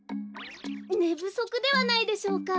ねぶそくではないでしょうか？